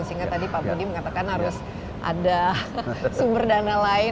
sehingga tadi pak budi mengatakan harus ada sumber dana lain